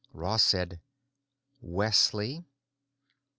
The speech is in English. Ross said, "Wesley."